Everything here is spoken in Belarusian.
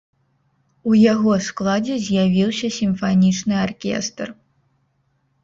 У яго складзе з'явіўся сімфанічны аркестр.